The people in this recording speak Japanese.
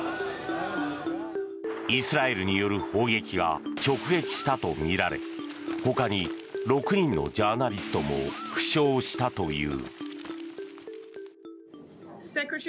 イスラエルによる砲撃が直撃したとみられ他に６人のジャーナリストも負傷したという。